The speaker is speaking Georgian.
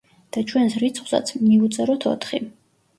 და ჩვენს რიცხვსაც მივუწეროთ ოთხი.